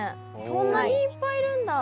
そんなにいっぱいいるんだ。